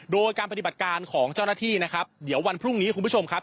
โดยการปฏิบัติการของเจ้าหน้าที่นะครับเดี๋ยววันพรุ่งนี้คุณผู้ชมครับ